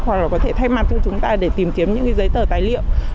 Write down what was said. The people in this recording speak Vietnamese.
hoặc là có thể thay mặt cho chúng ta để tìm kiếm những giấy tờ tài liệu